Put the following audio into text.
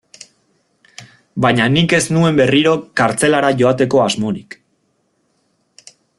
Baina nik ez nuen berriro kartzelara joateko asmorik.